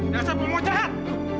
dasar pembuatan jahat